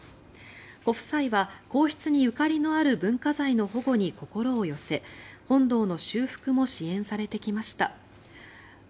ご夫妻は皇室にゆかりのある文化財の保護に心を寄せ本堂の修復も支援されてきました。